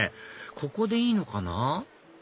ここでいいのかな？